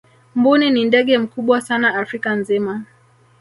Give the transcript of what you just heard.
mbuni ni ndege mkubwa sana afrika nzima